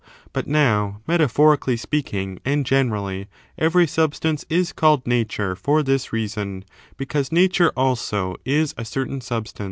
But now, metaphorically speaking and generally, every substance is called Nature for this reason, because Nature, also, is a certain substance.